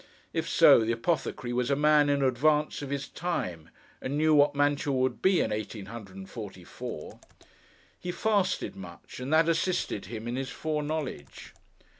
If so, the Apothecary was a man in advance of his time, and knew what Mantua would be, in eighteen hundred and forty four. He fasted much, and that assisted him in his foreknowledge.